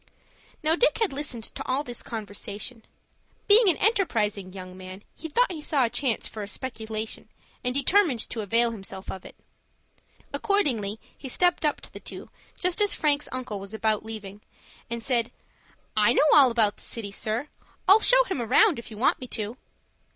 Now Dick had listened to all this conversation. Being an enterprising young man, he thought he saw a chance for a speculation, and determined to avail himself of it. Accordingly he stepped up to the two just as Frank's uncle was about leaving, and said, "I know all about the city, sir; I'll show him around, if you want me to."